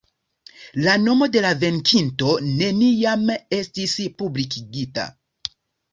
La nomo de la venkinto neniam estis publikigita.